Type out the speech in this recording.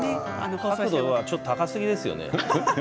ちょっと高すぎですよね。